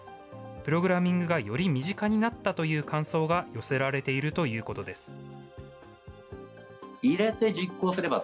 プログラミングがより身近になったという感想が寄せられているということです。